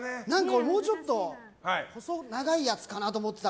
俺、もうちょっと細長いやつかと思ってた。